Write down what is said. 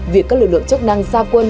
việc các lực lượng chức năng gia quân